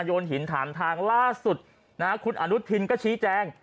โยนหินถามทางล่าสุดคุณอนุทินก็ชี้แจง